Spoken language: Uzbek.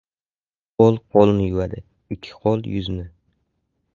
• Qo‘l qo‘lni yuvadi, ikki qo‘l ― yuzni.